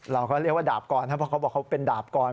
เราก็เรียกว่าดาบก่อนนะเพราะเขาบอกเขาเป็นดาบก่อน